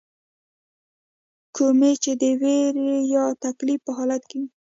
کومي چې د ويرې يا تکليف پۀ حالت کښې